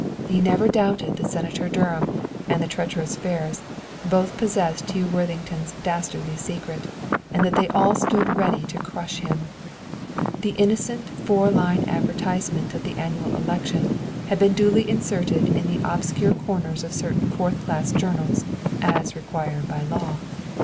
He never doubted that Senator Durham and the treacherous Ferris both possessed Hugh Worthington's dastardly secret, and that they all stood ready to crush him. The innocent four line advertisement of the annual election had been duly inserted in the obscure corners of certain fourth class journals, "as required by law."